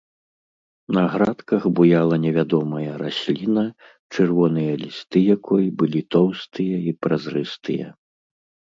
На градках буяла невядомая расліна, чырвоныя лісты якой былі тоўстыя і празрыстыя.